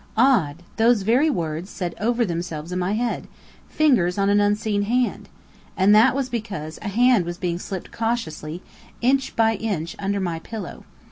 Odd! Those very words said over themselves in my head: "Fingers on an unseen hand." And that was because a hand was being slipped cautiously, inch by inch, under my pillow.